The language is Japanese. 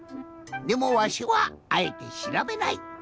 でもわしはあえてしらべない。